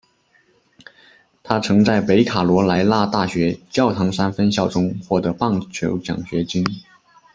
他曾在北卡罗来纳大学教堂山分校中获得棒球奖学金。